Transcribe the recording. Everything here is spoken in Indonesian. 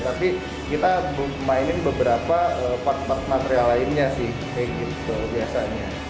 tapi kita mainin beberapa part part material lainnya sih kayak gitu biasanya